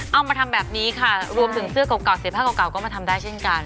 เอามาทำแบบนี้ค่ะรวมถึงเสื้อเก่าเสร็จผ้าเก่าก็มาทำได้เช่นกัน